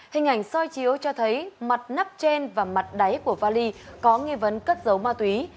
hình ảnh soi chiếu cho thấy mặt nắp trên và mặt đáy của vali có nghi vấn cất dấu ma túy